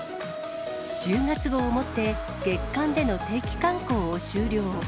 １０月号をもって月間での定期刊行を終了。